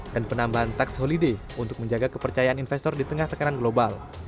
dan penambahan tax holiday untuk menjaga kepercayaan investor di tengah tekanan global